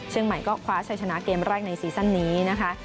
ใหม่ก็คว้าชัยชนะเกมแรกในซีซั่นนี้นะคะ